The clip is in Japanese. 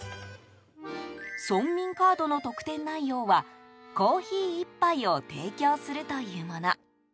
村民カードの特典内容はコーヒー１杯を提供するというもの。